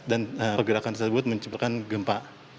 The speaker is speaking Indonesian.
dan pergerakan tersebut menyebabkan gempa